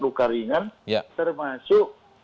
luka ringan termasuk